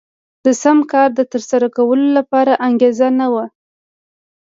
د سم کار د ترسره کولو لپاره انګېزه نه وه.